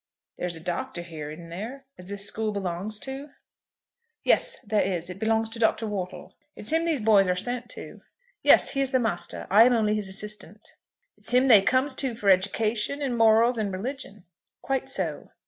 There's a Doctor here, isn't there, as this school belongs to?" "Yes, there is. It belongs to Dr. Wortle." "It's him these boys are sent to?" "Yes, he is the master; I am only his assistant." "It's him they comes to for education, and morals, and religion?" "Quite so."